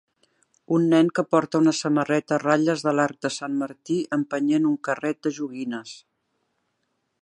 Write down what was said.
Un nen que porta una samarreta a ratlles de l'arc de Sant Martí empenyent un carret de joguines